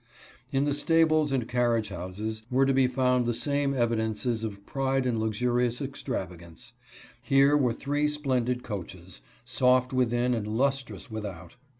In the stables and carriage houses were to be found the same evidences of pride and luxurious extravagance. Here were three splendid coaches, soft within and lus» trous without.